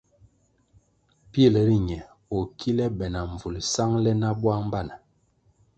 Pil riñe o kile be na mbvulʼ sangʼle nah bwang bana.